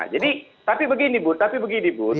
jadi tapi begini bu tapi begini bu